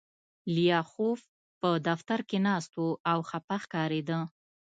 لیاخوف په دفتر کې ناست و او خپه ښکارېده